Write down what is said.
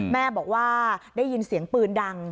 แม่บอกว่าได้ยินเสียงปืนดัง